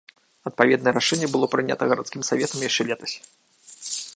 Адпаведнае рашэнне было прынята гарадскім саветам яшчэ летась.